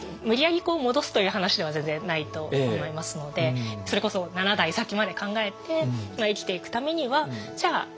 無理やりこう戻すという話では全然ないと思いますのでそれこそ７代先まで考えて生きていくためにはじゃあ